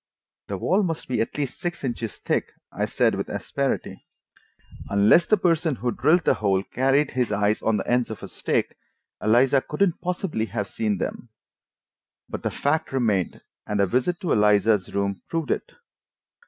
"The wall must be at least six inches thick," I said with asperity. "Unless the person who drilled the hole carried his eyes on the ends of a stick, Eliza couldn't possibly have seen them." But the fact remained, and a visit to Eliza's room proved it.